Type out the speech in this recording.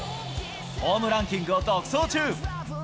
ホームランキングを独走中。